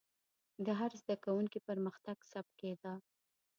د هر زده کوونکي پرمختګ ثبت کېده.